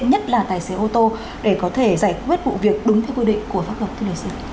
nhất là tài xế ô tô để có thể giải quyết vụ việc đúng theo quy định của pháp luật thưa luật sư